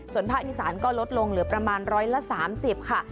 ส่วนภาคอีสานก็ลดลงเหลือประมาณร้อยละสามสิบค่ะ